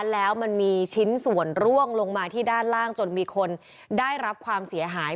แล้วมันมีชิ้นส่วนร่วงลงมาที่ด้านล่างจนมีคนได้รับความเสียหาย